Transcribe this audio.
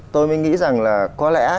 tôi mới nghĩ rằng là có lẽ